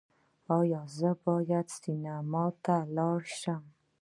ایا زه باید سینما ته لاړ شم؟